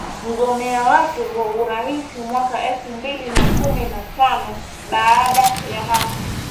mgombea wake wa urais mwaka elfu mbili na kumi na tano Baada ya hapo